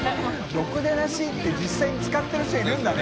ろくでなし」って実際に使ってる人いるんだね。